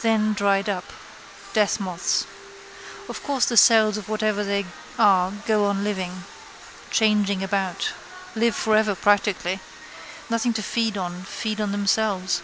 Then dried up. Deathmoths. Of course the cells or whatever they are go on living. Changing about. Live for ever practically. Nothing to feed on feed on themselves.